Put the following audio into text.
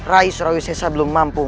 rai surawi sesa belum mampu